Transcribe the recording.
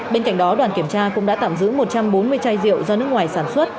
bên cạnh đó đoàn kiểm tra cũng đã tạm giữ một trăm bốn mươi chai rượu do nước ngoài sản xuất